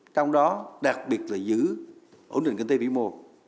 trong đó đặc biệt là giữ ổn định kinh tế vĩ mô